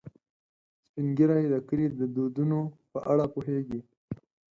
سپین ږیری د کلي د دودونو په اړه پوهیږي